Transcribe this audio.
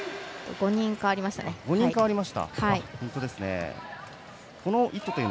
５人変わりましたね。